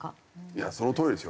そのとおりですよ。